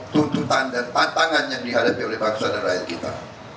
tuntutan dan tantangan yang dihadapi oleh bangsa dan rakyat kita